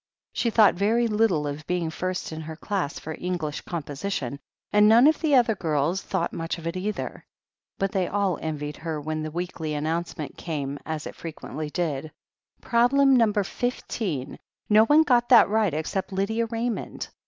She thought very little of being first in her class for English composition, and none of the other girls thought much of it either, but they all envied her when the weekly announcement came, as it frequently did: "Problem No. 15. No one got that right except Lydia Raymond.